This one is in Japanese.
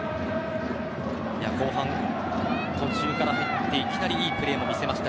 後半途中から入っていきなりいいプレーも見せました